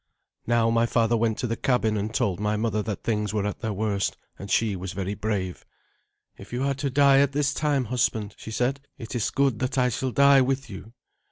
Now my father went to the cabin and told my mother that things were at their worst, and she was very brave. "If you are to die at this time, husband," she said, "it is good that I shall die with you.